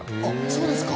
そうですか